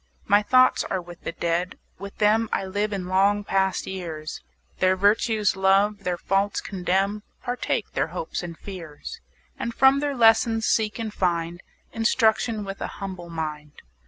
My thoughts are with the Dead; with them I live in long past years, Their virtues love, their faults condemn, 15 Partake their hopes and fears; And from their lessons seek and find Instruction with an humble mind.